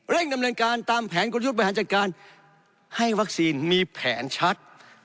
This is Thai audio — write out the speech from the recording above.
ดำเนินการตามแผนกลยุทธ์บริหารจัดการให้วัคซีนมีแผนชัด